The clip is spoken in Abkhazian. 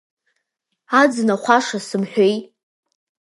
Аӡын ахәаша, сымҳәеи!